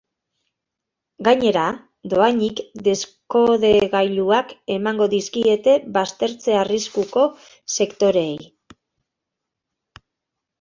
Gainera, dohainik deskodegailuak emango dizkiete baztertze arriskuko sektoreei.